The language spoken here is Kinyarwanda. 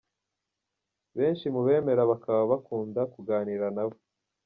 Benshi mu bemera bakaba bakunda kuganira nawe.